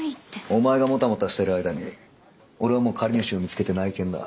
お前がモタモタしてる間に俺はもう借り主を見つけて内見だ。